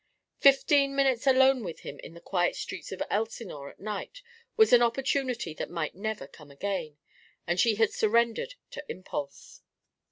Fifteen minutes alone with him in the quiet streets of Elsinore at night was an opportunity that might never come again, and she had surrendered to impulse.